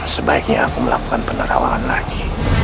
sebaiknya aku melakukan penerawangan lagi